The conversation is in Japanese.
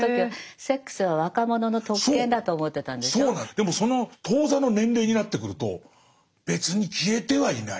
でもその当座の年齢になってくると別に消えてはいない。